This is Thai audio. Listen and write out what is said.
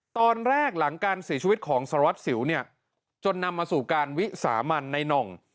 ตอนแรกหลังการเสียชีวิตของสารวัตรสิวเนี่ยจนนำมาสู่การวิสามันในน่อง